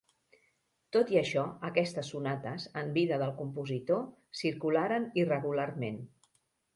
Tot i això, aquestes sonates, en vida del compositor, circularen irregularment.